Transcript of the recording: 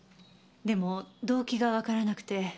でも動機がわからなくて。